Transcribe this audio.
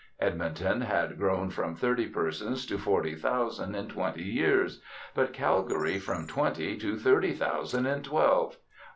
Edmonton had grown from thirty persons to forty thousand in twenty years; but Calgary from twenty to thirty thousand in twelve....